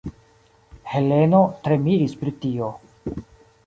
Heleno tre miris pri tio.